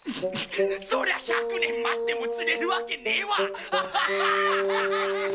そりゃ１００年待っても釣れるわけねえわ！